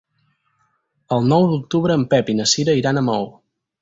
El nou d'octubre en Pep i na Cira iran a Maó.